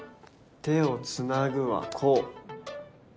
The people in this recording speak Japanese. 手をつなぐはこう。